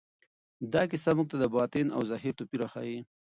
دا کیسه موږ ته د باطن او ظاهر توپیر راښيي.